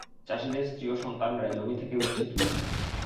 চাষিদের স্ত্রী ও সন্তানেরা জমি থেকে উচ্ছে তুলছেন।